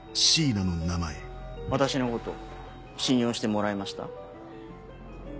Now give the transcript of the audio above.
私のこと信用してもらえました？